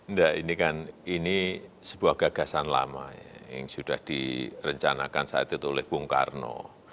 enggak ini kan ini sebuah gagasan lama yang sudah direncanakan saat itu oleh bung karno